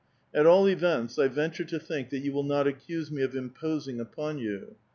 At all events, I venture to think that you will not accuse me of imposing npon you.